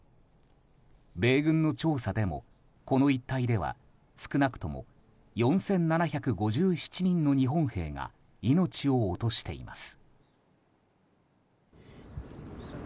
米軍の調査でも、この一帯では少なくとも４７５７人の日本兵が命を落としています。